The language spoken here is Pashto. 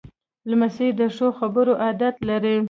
لمسی د ښو خبرو عادت لري.